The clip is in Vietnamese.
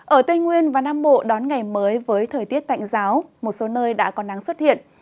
ở tây nguyên và nam bộ đón ngày mới với thời tiết tạnh giáo một số nơi đã có nắng xuất hiện